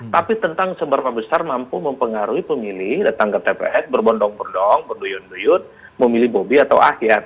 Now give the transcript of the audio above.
tapi tentang seberapa besar mampu mempengaruhi pemilih datang ke tps berbondong bondong berduyun duyun memilih bobi atau ahyar